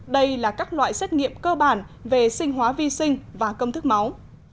đây là các loại xét nghiệm cơ bản về sinh hóa vi sinh và công thức máu